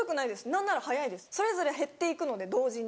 何なら早いですそれぞれ減っていくので同時に。